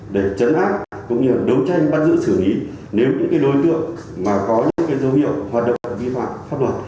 để chấn áp cũng như đấu tranh bắt giữ xử lý nếu những đối tượng mà có những dấu hiệu hoạt động vi phạm pháp luật